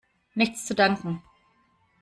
Nichts zu danken!